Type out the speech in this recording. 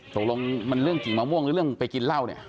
ตกลงมันเรื่องกิ่งมะม่วงหรือเรื่องไปกินเหล้าเนี่ย